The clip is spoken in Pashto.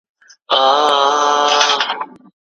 د ولس او واکمن ترمنځ واټن يې کم کړ.